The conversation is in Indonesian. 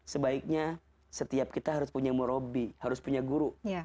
sebaiknya setiap kita harus punya murabi harus punya guru